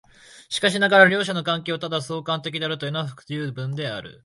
しかしながら両者の関係をただ相関的であるというのは不十分である。